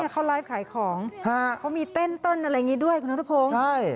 เขาไลฟ์ขายของเขามีเต้นเติ้ลอะไรอย่างนี้ด้วยคุณนัทพงศ์